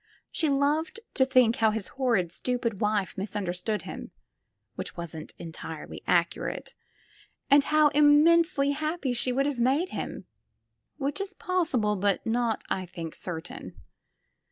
She loved to think how his horrid, stupid wife misunderstood him — which wasn't entirely accurate; and how im mensely happy she could have made him — ^which is pos sible, but not, I think, certain.